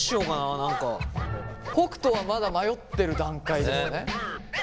北斗はまだ迷ってる段階ですね。